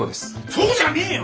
そうじゃねえよ！